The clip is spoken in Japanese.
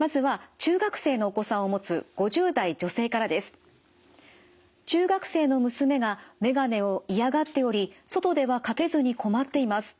中学生の娘が眼鏡を嫌がっており外ではかけずに困っています。